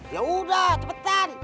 ya udah cepetan